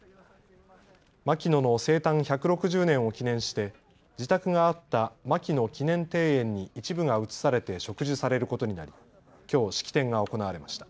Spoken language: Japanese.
牧野の生誕１６０年を記念して自宅があった牧野記念庭園に一部が移されて植樹されることになり、きょう式典が行われました。